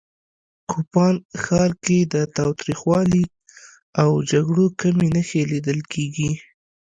کوپان ښار کې د تاوتریخوالي او جګړو کمې نښې لیدل کېږي